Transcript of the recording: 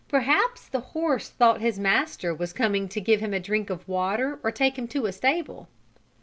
Perhaps the horse thought his master was coming to give him a drink of water or take him to a stable.